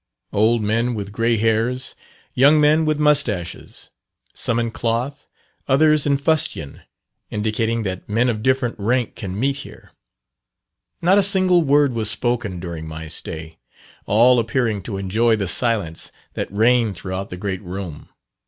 Old men with grey hairs, young men with mustaches some in cloth, others in fustian, indicating that men of different rank can meet here. Not a single word was spoken during my stay, all appearing to enjoy the silence that reigned throughout the great room.